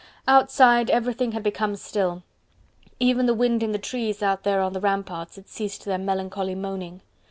Outside everything had become still. Even the wind in the trees out there on the ramparts had ceased their melancholy moaning.